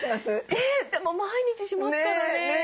えでも毎日しますからね。